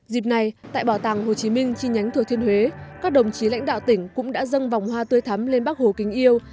dịp này tại bảo tàng hồ chí minh chi nhánh thừa thiên huế các đồng chí lãnh đạo tỉnh cũng đã dâng vòng hoa tươi thắm lên bắc hồ kính yêu